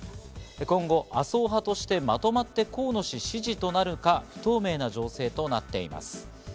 今後、麻生派としてまとまって河野氏支持となるか不透明な情勢となっています。